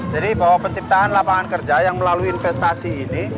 jadi bahwa penciptaan lapangan kerja yang melalui investasi ini